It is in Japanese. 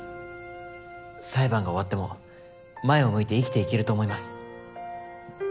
「裁判が終わっても前を向いて生きていける」と思います。